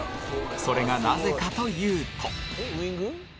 それがなぜかというと。